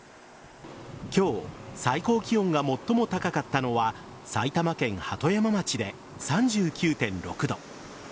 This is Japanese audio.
今日最高気温が最も高かったのは埼玉県鳩山町で３９．６度。